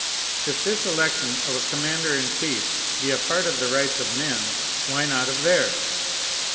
If this election of a commander in chief be a part of the rights of men, why not of theirs?